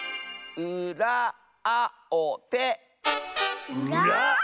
「うらあをて」